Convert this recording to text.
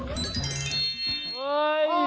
มีหั่นน้ำเนี่ยไหม